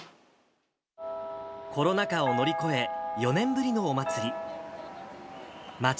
コロナ禍を乗り越え、４年ぶりのお祭り。